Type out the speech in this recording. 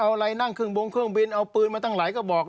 เอาอะไรนั่งเครื่องบงเครื่องบินเอาปืนมาตั้งหลายกระบอก